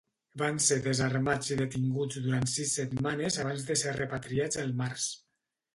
Van ser desarmats i detinguts durant sis setmanes abans de ser repatriats al març.